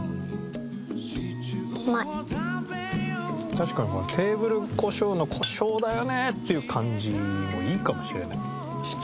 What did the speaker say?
確かにこのテーブル胡椒の胡椒だよねっていう感じもいいかもしれない。